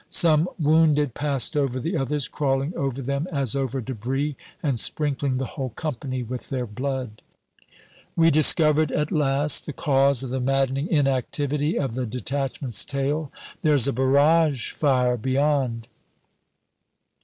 Some wounded passed over the others, crawling over them as over debris, and sprinkling the whole company with their blood. We discovered at last the cause of the maddening inactivity of the detachment's tail "There's a barrage fire beyond."